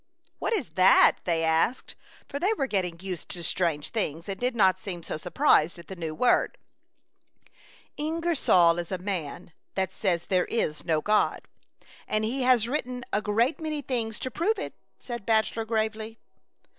*'" What is that ?*' they asked, for they were getting used to strange things, and did not seem so surprised at the new word. 96 A Chautauqua Idyl. " Ingersoll is a man that says there is no God, and he has written a great many things to prove it," said Bach elor gravely.